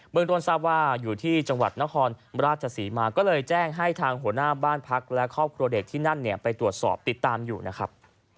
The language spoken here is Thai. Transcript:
เมืองต้นทราบว่าอยู่ที่จังหวัดนครราชศรีมาก็เลยแจ้งให้ทางหัวหน้าบ้านพักและครอบครัวเด็กที่นั่นเนี่ยไปตรวจสอบติดตามอยู่นะครับ